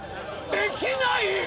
できない！？